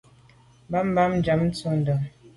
Mbèn mbèn njam ntsho ndà.